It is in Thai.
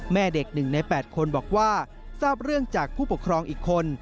แม่เด็ก๑ใน๘คนบอกว่าทราบเรื่องจากผู้ปกครองอีกคน